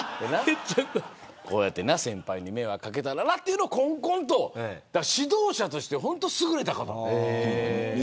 こうやって先輩に迷惑掛けたらなというのをね指導者としては本当に優れた方。